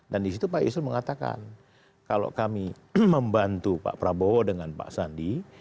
dan di situ pak yusril mengatakan kalau kami membantu pak prabowo dengan pak sandi